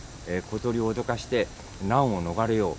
小鳥を脅かして難を逃れよう。